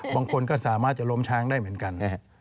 บางคนก็สามารถจะล้มช้างได้เหมือนกันนะฮะ